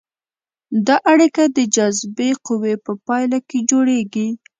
دا اړیکه د جاذبې قوې په پایله کې جوړیږي.